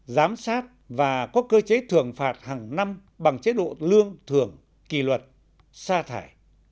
giám sát và có cơ chế thường phạt hàng năm bằng chế độ lương thường kỳ luật sa thải